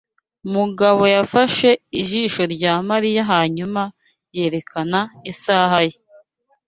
Mugabo yafashe ijisho rya Mariya hanyuma yerekana isaha ye.